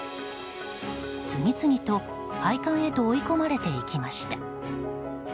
次々と廃館へと追い込まれていきました。